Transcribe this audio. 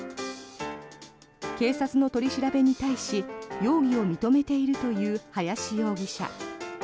警察の取り調べに対し容疑を認めているという林容疑者。